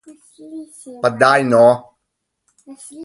Pa, daj no.